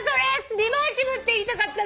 リバーシブルって言いたかったの。